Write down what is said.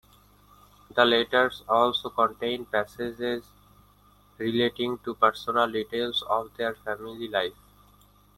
The letters also contain passages relating to personal details of their family life.